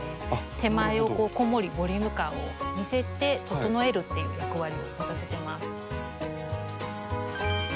手前をこうこんもりボリューム感を見せて整えるっていう役割を持たせてます。